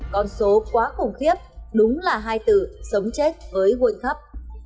con số quá khủng khiếp đúng là hai tử sống chết với huộn khắp